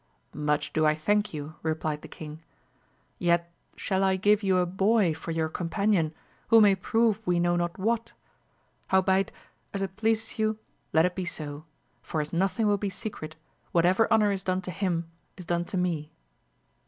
Much do I thank you, replied the king, yet shall I give you a boy for your companion, who may prove we know not what ? how beit, as it pleases you, let it be so, for as nothing will be secret, whatever honour is done to him, is done to me.